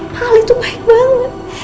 hal itu baik banget